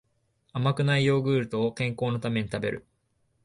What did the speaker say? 甘くないヨーグルトを健康のために食べる